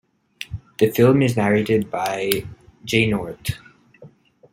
The film is narrated by Jay North.